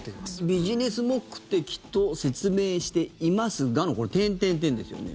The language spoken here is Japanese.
ビジネス目的と説明していますがのこの「」ですよね。